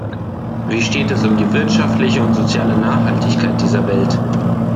Wie steht es um die wirtschaftliche und soziale Nachhaltigkeit dieser Welt?